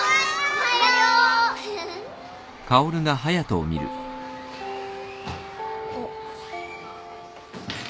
おはよう。あっ。